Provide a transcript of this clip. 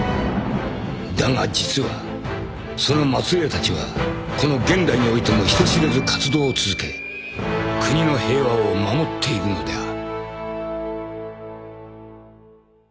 ［だが実はその末裔たちはこの現代においても人知れず活動を続け国の平和を守っているのである］